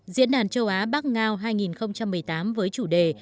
diễn đàn châu á bắc ngao hai nghìn một mươi tám với chủ đề